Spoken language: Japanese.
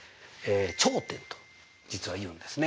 頂点と実はいうんですね。